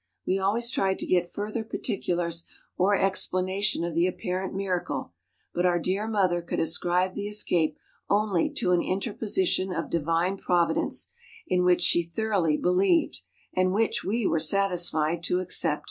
We always tried to get further particulars or explanation of the apparent miracle, but our dear mother could ascribe the escape only to an interposition of Divine Providence, in which she thoroughly believed, and which we were satisfied to accept.